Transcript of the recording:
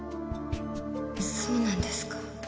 そうなんですか。